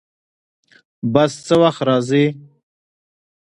بس څه وخت راځي؟